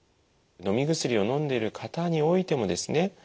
のみ薬をのんでいる方においてもですね